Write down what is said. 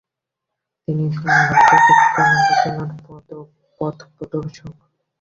তিনি ছিলেন ভারতে বিজ্ঞান আলোচনার পথপ্রদর্শক।